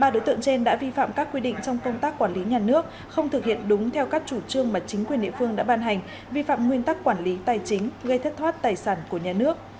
ba đối tượng trên đã vi phạm các quy định trong công tác quản lý nhà nước không thực hiện đúng theo các chủ trương mà chính quyền địa phương đã ban hành vi phạm nguyên tắc quản lý tài chính gây thất thoát tài sản của nhà nước